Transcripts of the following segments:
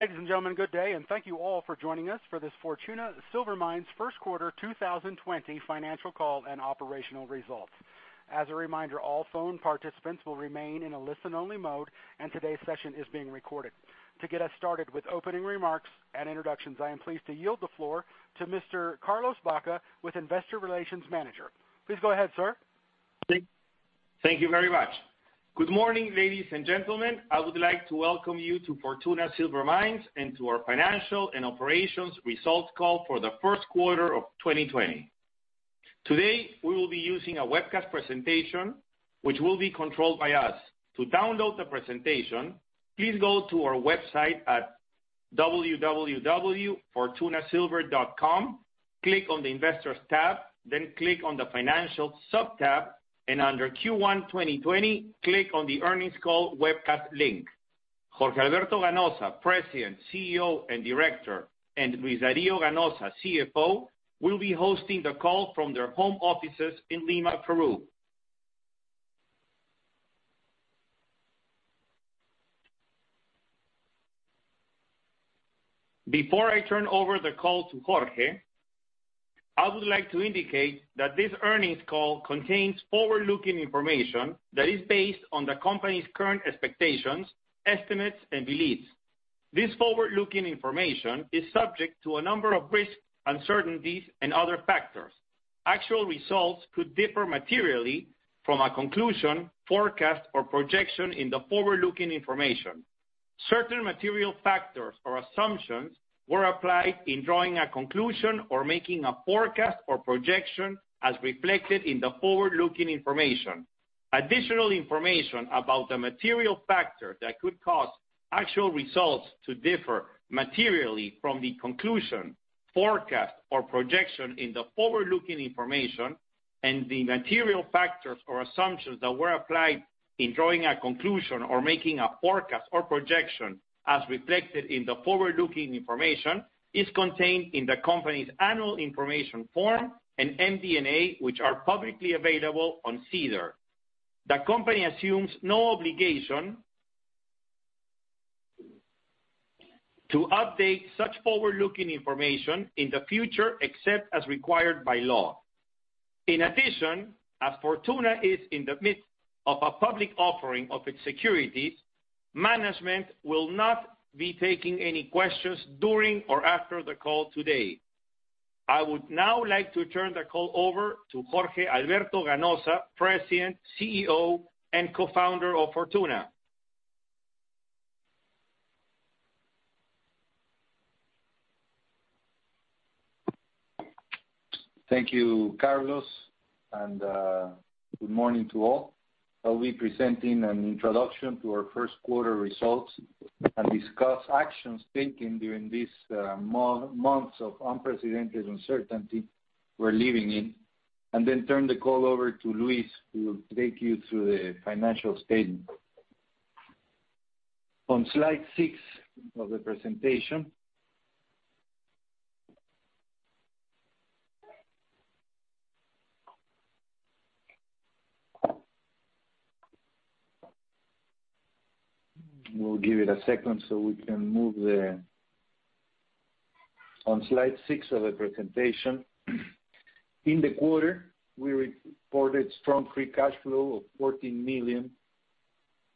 Ladies and gentlemen, good day, and thank you all for joining us for this Fortuna Silver Mines First Quarter 2020 Financial Call and Operational Results. As a reminder, all phone participants will remain in a listen-only mode, and today's session is being recorded. To get us started with opening remarks and introductions, I am pleased to yield the floor to Mr. Carlos Baca, Investor Relations Manager. Please go ahead, sir. Thank you very much. Good morning, ladies and gentlemen. I would like to welcome you to Fortuna Silver Mines and to our Financial and Operations Results Call for the First Quarter of 2020. Today, we will be using a webcast presentation, which will be controlled by us. To download the presentation, please go to our website at www.fortunasilver.com, click on the Investors tab, then click on the Financials subtab, and under Q1 2020, click on the Earnings Call webcast link. Jorge Alberto Ganoza, President, CEO, and Director, and Luis Dario Ganoza, CFO, will be hosting the call from their home offices in Lima, Peru. Before I turn over the call to Jorge, I would like to indicate that this earnings call contains forward-looking information that is based on the company's current expectations, estimates, and beliefs. This forward-looking information is subject to a number of risks, uncertainties, and other factors. Actual results could differ materially from a conclusion, forecast, or projection in the forward-looking information. Certain material factors or assumptions were applied in drawing a conclusion or making a forecast or projection as reflected in the forward-looking information. Additional information about the material factors that could cause actual results to differ materially from the conclusion, forecast, or projection in the forward-looking information, and the material factors or assumptions that were applied in drawing a conclusion or making a forecast or projection as reflected in the forward-looking information is contained in the company's Annual Information Form and MD&A, which are publicly available on SEDAR. The company assumes no obligation to update such forward-looking information in the future except as required by law. In addition, as Fortuna is in the midst of a public offering of its securities, management will not be taking any questions during or after the call today. I would now like to turn the call over to Jorge Alberto Ganoza, President, CEO, and Co-founder of Fortuna. Thank you, Carlos, and good morning to all. I'll be presenting an introduction to our First Quarter Results and discuss actions taken during these months of unprecedented uncertainty we're living in, and then turn the call over to Luis who will take you through the financial statement. On Slide 6 of the presentation. We'll give it a second so we can move on to Slide 6 of the presentation. In the quarter, we reported strong free cash flow of $14 million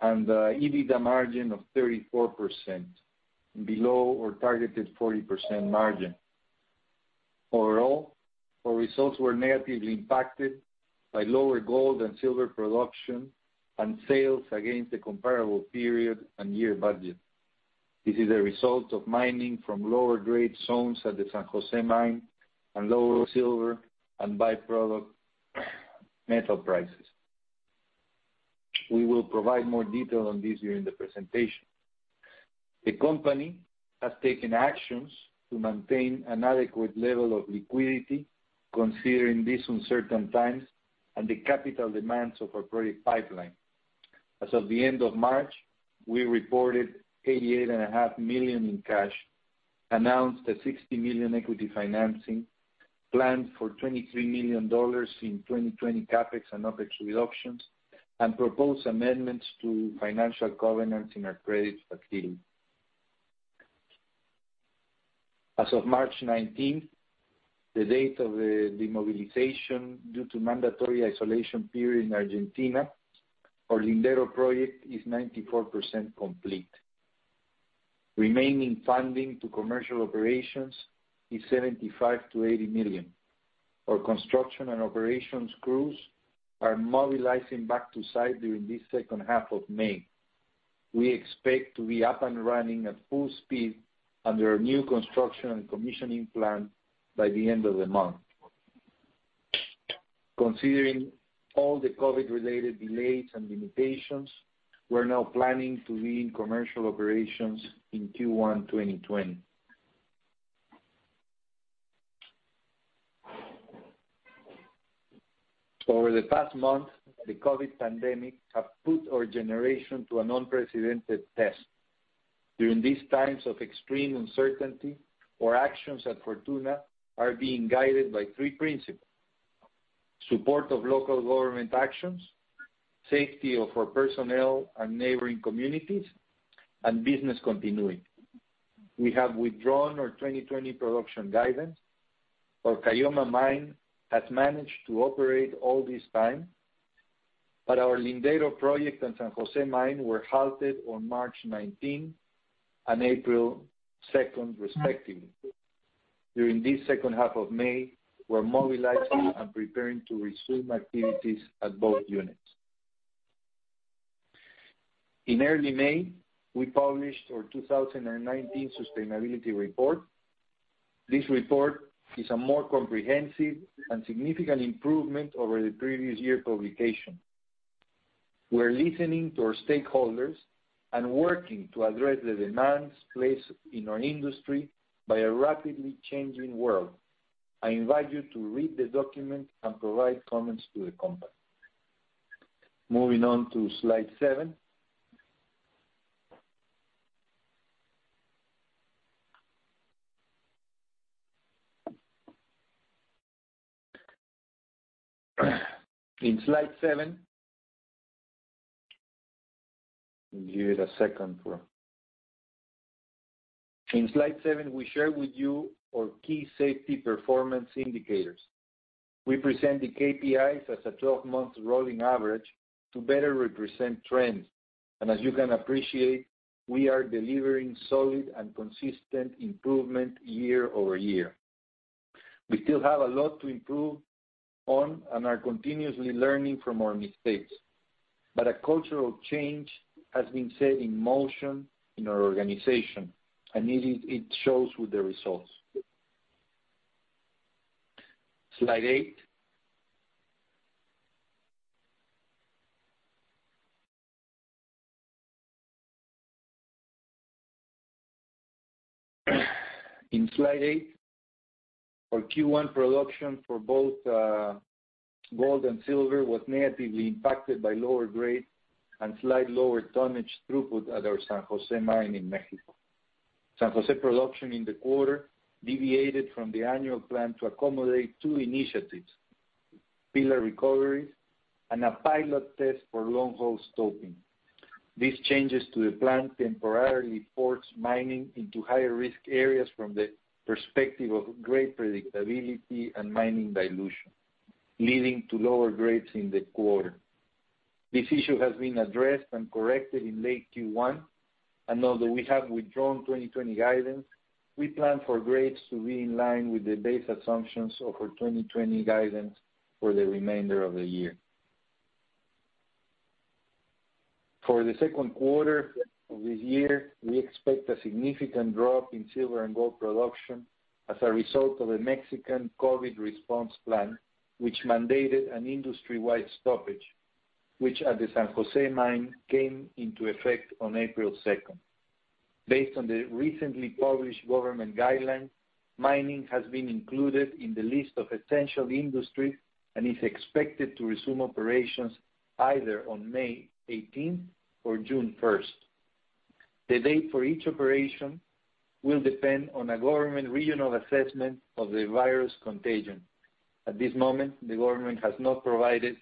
and EBITDA margin of 34%, below our targeted 40% margin. Overall, our results were negatively impacted by lower gold and silver production and sales against the comparable period and year budget. This is the result of mining from lower-grade zones at the San José Mine and lower silver and byproduct metal prices. We will provide more detail on this during the presentation. The company has taken actions to maintain an adequate level of liquidity considering these uncertain times and the capital demands of our project pipeline. As of the end of March, we reported $88.5 million in cash, announced a $60 million equity financing, planned for $23 million in 2020 CAPEX and OPEX reductions, and proposed amendments to financial covenants in our credit facility. As of March 19th, the date of the demobilization due to mandatory isolation period in Argentina, our Lindero Project is 94% complete. Remaining funding to commercial operations is $75-$80 million. Our construction and operations crews are mobilizing back to site during this second half of May. We expect to be up and running at full speed under our new construction and commissioning plan by the end of the month. Considering all the COVID-related delays and limitations, we're now planning to be in commercial operations in Q1 2020. Over the past month, the COVID pandemic has put our generation to an unprecedented test. During these times of extreme uncertainty, our actions at Fortuna are being guided by three principles: support of local government actions, safety of our personnel and neighboring communities, and business continuity. We have withdrawn our 2020 production guidance. Our Caylloma Mine has managed to operate all this time, but our Lindero Project and San José mine were halted on March 19 and April 2nd, respectively. During this second half of May, we're mobilizing and preparing to resume activities at both units. In early May, we published our 2019 Sustainability Report. This report is a more comprehensive and significant improvement over the previous year's publication. We're listening to our stakeholders and working to address the demands placed in our industry by a rapidly changing world. I invite you to read the document and provide comments to the company. Moving on to Slide 7. In Slide 7, we share with you our key safety performance indicators. We present the KPIs as a 12-month rolling average to better represent trends, and as you can appreciate, we are delivering solid and consistent improvement year over year. We still have a lot to improve on and are continuously learning from our mistakes, but a cultural change has been set in motion in our organization, and it shows with the results. Slide 8. In Slide 8, our Q1 production for both gold and silver was negatively impacted by lower grade and slightly lower tonnage throughput at our San José mine in Mexico. San José production in the quarter deviated from the annual plan to accommodate two initiatives: pillar recoveries and a pilot test for long-hole stoping. These changes to the plan temporarily forced mining into higher-risk areas from the perspective of great predictability and mining dilution, leading to lower grades in the quarter. This issue has been addressed and corrected in late Q1, and although we have withdrawn 2020 guidance, we plan for grades to be in line with the base assumptions of our 2020 guidance for the remainder of the year. For the second quarter of this year, we expect a significant drop in silver and gold production as a result of the Mexican COVID response plan, which mandated an industry-wide stoppage, which at the San José Mine came into effect on April 2nd. Based on the recently published government guidelines, mining has been included in the list of essential industries and is expected to resume operations either on May 18th or June 1st. The date for each operation will depend on a government regional assessment of the virus contagion. At this moment, the government has not provided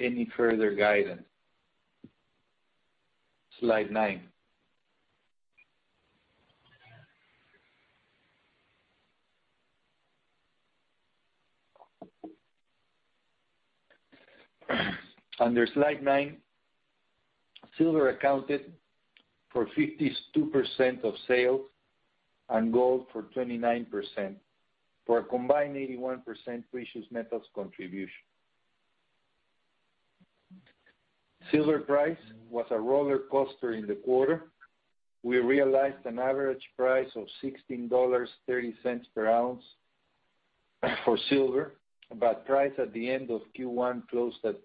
any further guidance. Slide nine. Under Slide nine, silver accounted for 52% of sales and gold for 29%, for a combined 81% precious metals contribution. Silver price was a roller coaster in the quarter. We realized an average price of $16.30 per ounce for silver, but price at the end of Q1 closed at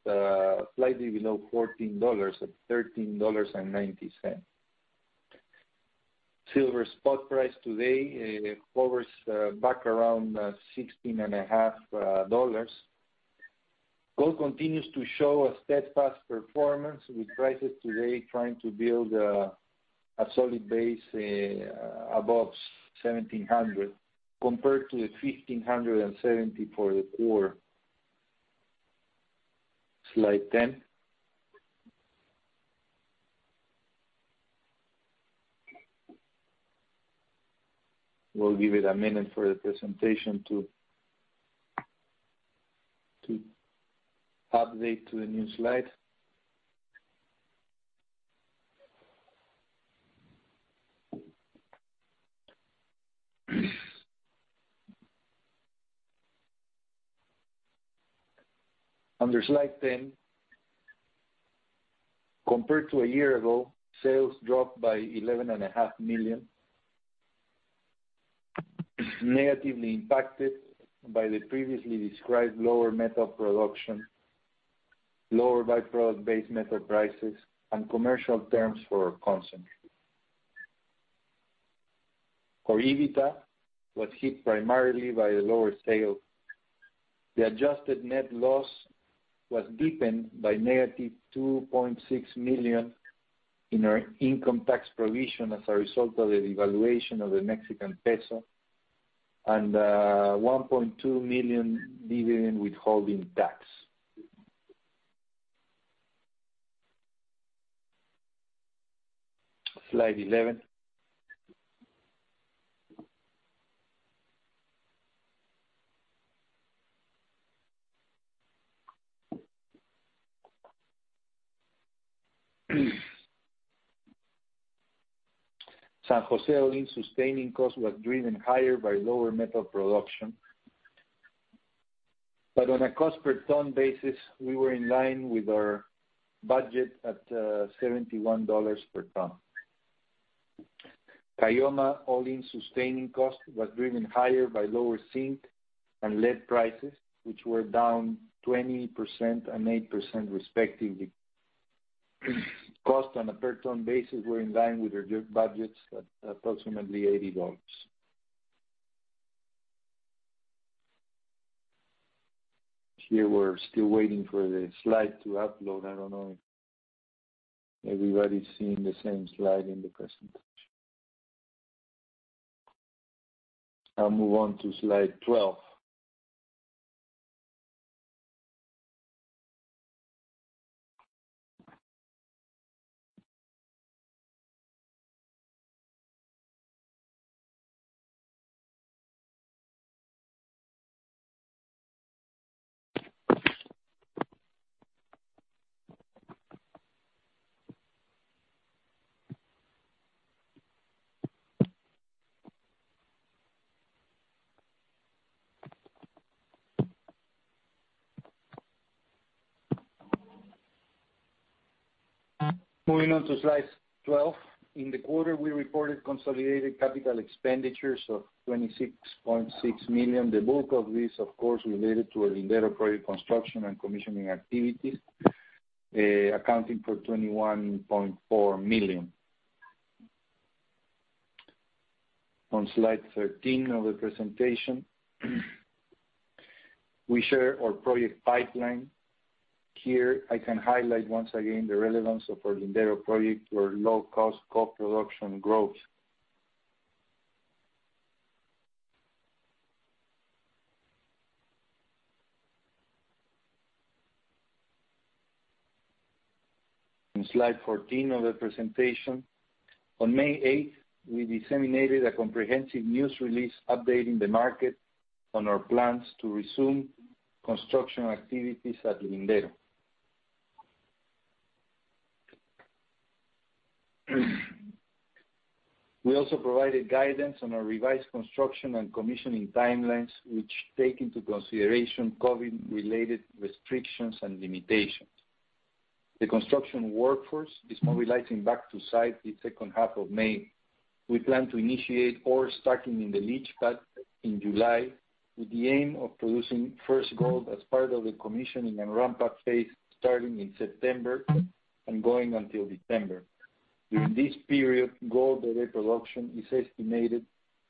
slightly below $14 at $13.90. Silver spot price today hovers back around $16.50. Gold continues to show a steadfast performance, with prices today trying to build a solid base above 1,700 compared to the 1,570 for the quarter. Slide 10. We'll give it a minute for the presentation to update to the new Slide. Under Slide 10, compared to a year ago, sales dropped by $11.5 million, negatively impacted by the previously described lower metal production, lower byproduct-based metal prices, and commercial terms for concentrate. Our EBITDA was hit primarily by the lower sales. The adjusted net loss was deepened by -$2.6 million in our income tax provision as a result of the devaluation of the Mexican peso and $1.2 million dividend withholding tax. Slide 11. San José all-in sustaining cost was driven higher by lower metal production, but on a cost per ton basis, we were in line with our budget at $71 per ton. Caylloma all-in sustaining cost was driven higher by lower zinc and lead prices, which were down 20% and 8%, respectively. Costs on a per ton basis were in line with our budgets at approximately $80. Here, we're still waiting for the Slide to upload. I don't know if everybody's seeing the same Slide in the presentation. I'll move on to Slide 12. In the quarter, we reported consolidated capital expenditures of $26.6 million. The bulk of this, of course, related to our Lindero project construction and commissioning activities, accounting for $21.4 million. On Slide 13 of the presentation, we share our project pipeline. Here, I can highlight once again the relevance of our Lindero project for low-cost co-production growth. On Slide 14 of the presentation, on May 8th, we disseminated a comprehensive news release updating the market on our plans to resume construction activities at Lindero. We also provided guidance on our revised construction and commissioning timelines, which take into consideration COVID-related restrictions and limitations. The construction workforce is mobilizing back to site the second half of May. We plan to initiate ore stacking in the leach pad in July with the aim of producing first gold as part of the commissioning and ramp-up phase starting in September and going until December. During this period, gold doré production is estimated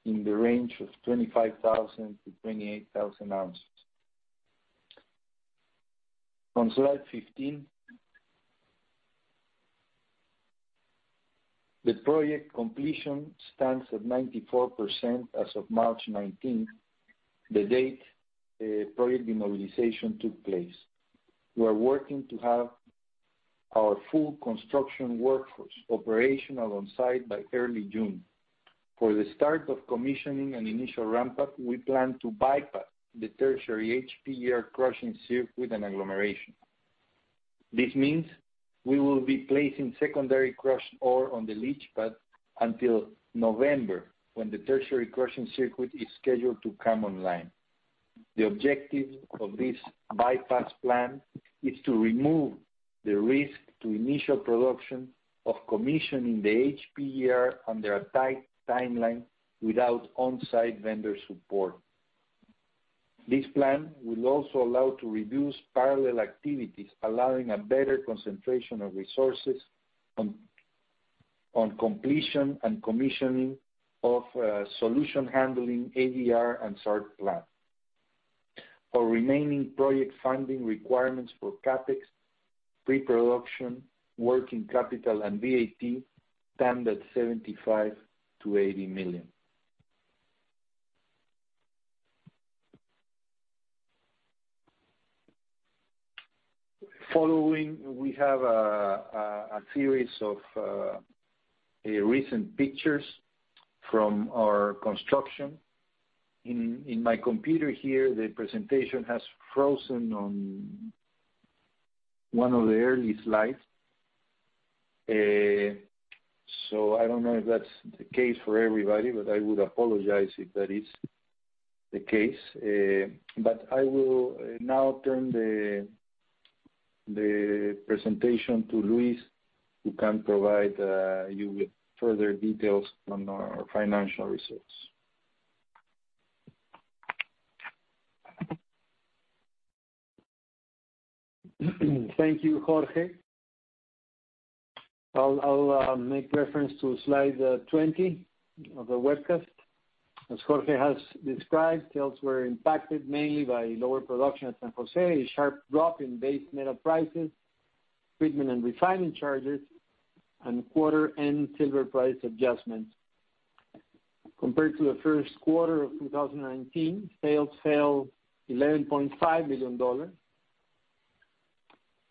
in the range of 25,000-28,000 ounces. On Slide 15, the project completion stands at 94% as of March 19th, the date the project demobilization took place. We are working to have our full construction workforce operational on site by early June. For the start of commissioning and initial ramp-up, we plan to bypass the tertiary HPGR crushing circuit and agglomeration. This means we will be placing secondary crushed ore on the leach pad until November when the tertiary crushing circuit is scheduled to come online. The objective of this bypass plan is to remove the risk to initial production of commissioning the HPGR under a tight timeline without on-site vendor support. This plan will also allow us to reduce parallel activities, allowing a better concentration of resources on completion and commissioning of solution handling, ADR, and SART plants. Our remaining project funding requirements for CAPEX, pre-production, working capital, and VAT stand at $75-$80 million. Following, we have a series of recent pictures from our construction. In my computer here, the presentation has frozen on one of the early Slides, so I don't know if that's the case for everybody, but I would apologize if that is the case. But I will now turn the presentation to Luis, who can provide you with further details on our financial results. Thank you, Jorge. I'll make reference to Slide 20 of the webcast. As Jorge has described, sales were impacted mainly by lower production at San José, a sharp drop in base metal prices, treatment, and refining charges, and quarter-end silver price adjustments. Compared to the first quarter of 2019, sales fell $11.5 million.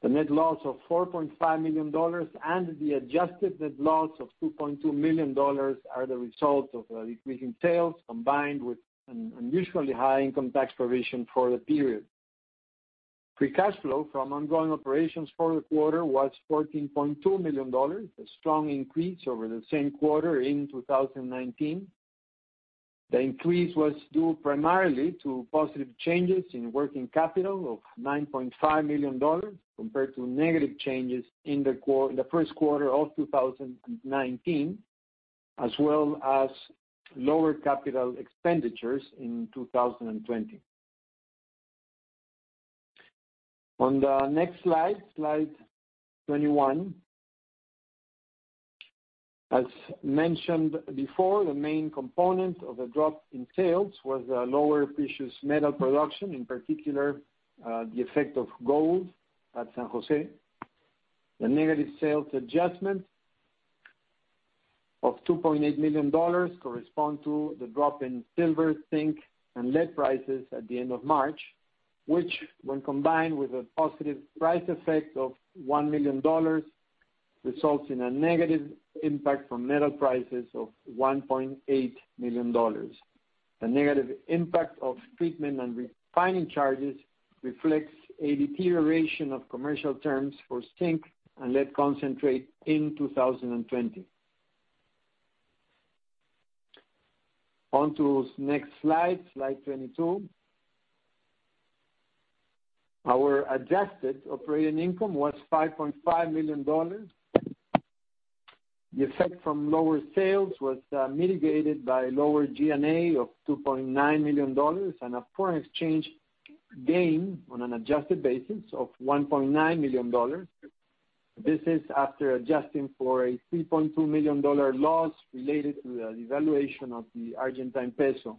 The net loss of $4.5 million and the adjusted net loss of $2.2 million are the result of the decrease in sales combined with an unusually high income tax provision for the period. Pre-cash flow from ongoing operations for the quarter was $14.2 million, a strong increase over the same quarter in 2019. The increase was due primarily to positive changes in working capital of $9.5 million compared to negative changes in the first quarter of 2019, as well as lower capital expenditures in 2020. On the next Slide, Slide 21. As mentioned before, the main component of the drop in sales was the lower precious metal production, in particular the effect of gold at San José. The negative sales adjustment of $2.8 million corresponds to the drop in silver, zinc, and lead prices at the end of March, which, when combined with a positive price effect of $1 million, results in a negative impact on metal prices of $1.8 million. The negative impact of treatment and refining charges reflects a deterioration of commercial terms for zinc and lead concentrate in 2020. On to the next Slide, Slide 22. Our adjusted operating income was $5.5 million. The effect from lower sales was mitigated by lower G&A of $2.9 million and a foreign exchange gain on an adjusted basis of $1.9 million. This is after adjusting for a $3.2 million loss related to the devaluation of the Argentine peso.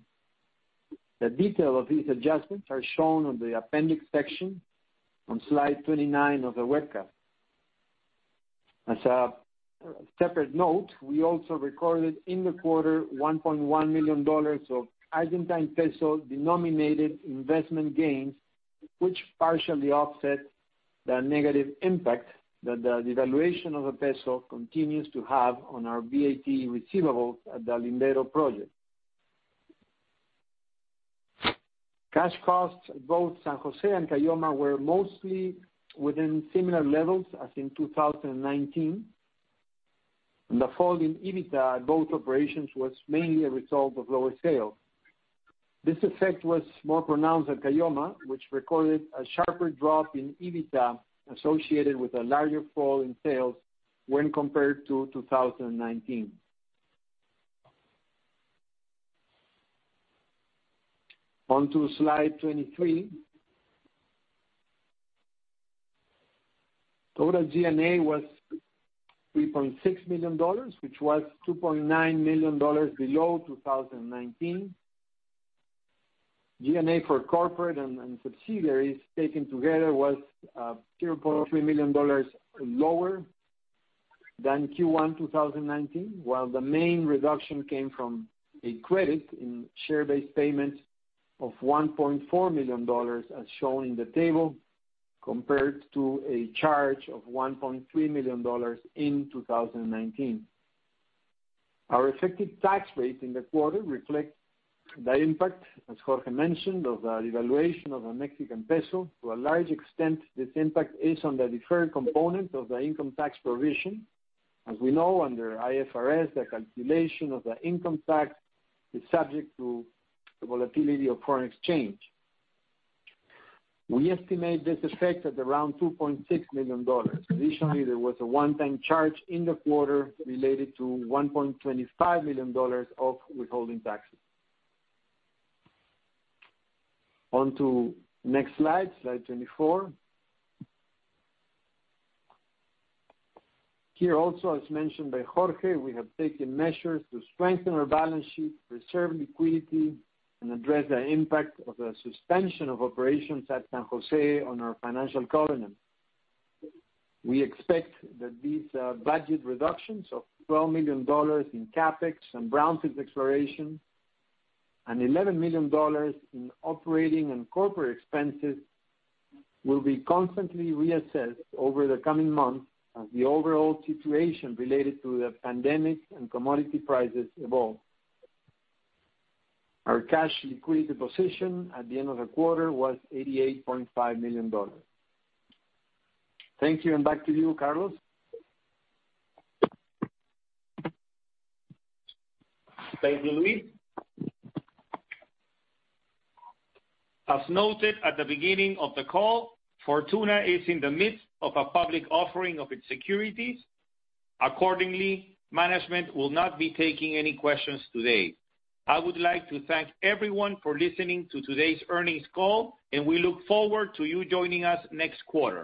The details of these adjustments are shown on the appendix section on Slide 29 of the webcast. As a separate note, we also recorded in the quarter $1.1 million of Argentine peso denominated investment gains, which partially offsets the negative impact that the devaluation of the peso continues to have on our VAT receivables at the Lindero Project. Cash costs at both San José and Caylloma were mostly within similar levels as in 2019. The fall in EBITDA at both operations was mainly a result of lower sales. This effect was more pronounced at Caylloma, which recorded a sharper drop in EBITDA associated with a larger fall in sales when compared to 2019. On to Slide 23. Total G&A was $3.6 million, which was $2.9 million below 2019. G&A for corporate and subsidiaries taken together was $0.3 million lower than Q1 2019, while the main reduction came from a credit in share-based payment of $1.4 million, as shown in the table, compared to a charge of $1.3 million in 2019. Our effective tax rate in the quarter reflects the impact, as Jorge mentioned, of the devaluation of the Mexican peso. To a large extent, this impact is on the deferred component of the income tax provision. As we know, under IFRS, the calculation of the income tax is subject to the volatility of foreign exchange. We estimate this effect at around $2.6 million. Additionally, there was a one-time charge in the quarter related to $1.25 million of withholding taxes. On to the next Slide, Slide 24. Here also, as mentioned by Jorge, we have taken measures to strengthen our balance sheet, preserve liquidity, and address the impact of the suspension of operations at San José on our financial covenant. We expect that these budget reductions of $12 million in CapEx and brownfield exploration and $11 million in operating and corporate expenses will be constantly reassessed over the coming months as the overall situation related to the pandemic and commodity prices evolve. Our cash liquidity position at the end of the quarter was $88.5 million. Thank you, and back to you, Carlos. Thank you, Luis. As noted at the beginning of the call, Fortuna is in the midst of a public offering of its securities. Accordingly, management will not be taking any questions today. I would like to thank everyone for listening to today's earnings call, and we look forward to you joining us next quarter.